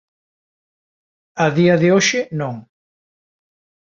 A día de hoxe non.